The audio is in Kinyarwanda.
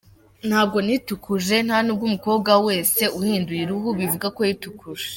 Ntabwo nitukuje, nta n’ubwo umukobwa wese uhinduka uruhu bivuga ko yitukuje.